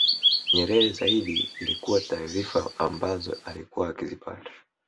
Nyerere zaidi ilikuwa taarifa ambazo alikuwa akizipata